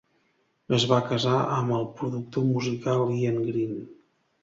Es va casar amb el productor musical Ian Green.